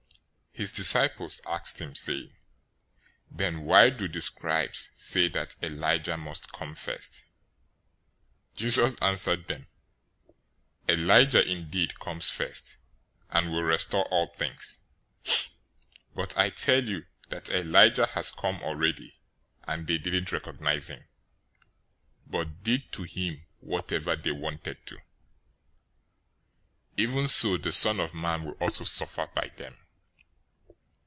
017:010 His disciples asked him, saying, "Then why do the scribes say that Elijah must come first?" 017:011 Jesus answered them, "Elijah indeed comes first, and will restore all things, 017:012 but I tell you that Elijah has come already, and they didn't recognize him, but did to him whatever they wanted to. Even so the Son of Man will also suffer by them."